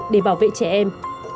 để bảo vệ trẻ em